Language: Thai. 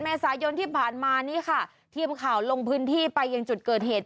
เมษายนที่ผ่านมานี้ค่ะทีมข่าวลงพื้นที่ไปยังจุดเกิดเหตุ